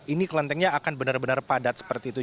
ini kelentengnya akan benar benar padat seperti itu